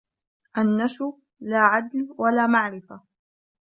النشو لا عدل ولا معرفه